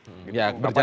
ya berjalan seperti ini